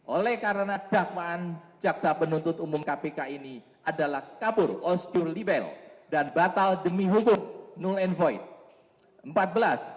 oleh karena dakwaan jaksa penuntut umum kpk ini adalah kabur oscur libel dan batal demi hukum null and void